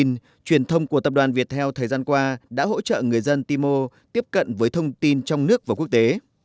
trong lĩnh vực thông tin truyền thông của tập đoàn việt theo thời gian qua đã hỗ trợ người dân timor tiếp cận với thông tin trong nước và quốc tế